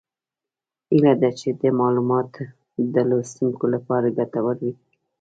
هیله ده چې دا معلومات د لوستونکو لپاره ګټور وي